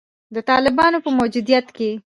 د طالبانو په موجودیت کې